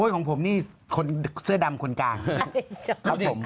ของผมนี่อีกซั่วดำคนการ